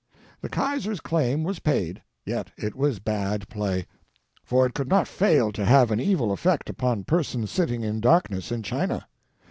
The Kaiser's claim was paid, yet it was bad play, for it could not fail to have an evil effect upon Persons Sitting in Darkness in China.